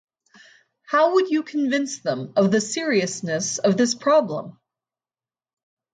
How would you convince them of the seriousness of this problem?